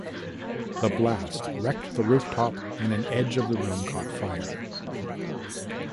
The blast wrecked the rooftop and an edge of the room caught fire.